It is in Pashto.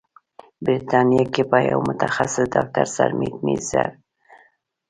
بریتانیا کې یو متخصص ډاکتر سرمید میزیر